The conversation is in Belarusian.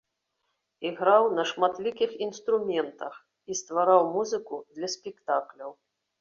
Іграў на шматлікіх інструментах і ствараў музыку да спектакляў.